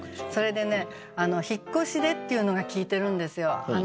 それでね「引越しで」っていうのが効いてるんですよ。